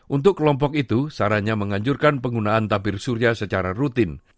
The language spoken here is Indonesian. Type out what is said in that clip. untuk kelompok itu saranya menganjurkan penggunaan tabir surya secara rutin